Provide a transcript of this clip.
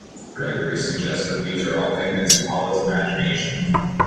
Gregory suggests that these are all figments of Paula's imagination.